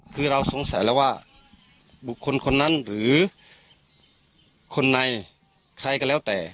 คือเราสงสัยแล้วว่าบุคคลคนนั้นหรือคนในใครก็แล้วแต่